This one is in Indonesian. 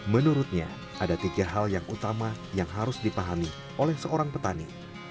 menurutnya ada tiga hal yang utama yang harus dipahami oleh seorang petani